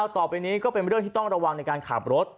ต่อไปนี้ก็เป็นเรื่องที่ต้องระวังในการขับรถ